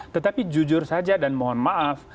tetapi jujur saja dan mohon maaf